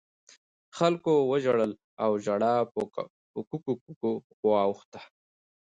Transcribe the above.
خلکو وژړل او ژړا په کوکو واوښته.